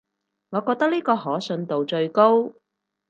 我覺得呢個可信度最高